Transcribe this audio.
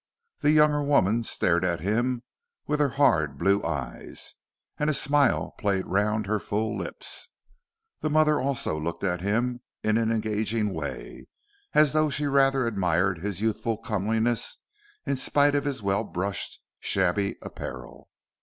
The younger woman stared at him with her hard blue eyes, and a smile played round her full lips. The mother also looked at him in an engaging way, as though she rather admired his youthful comeliness in spite of his well brushed, shabby apparel.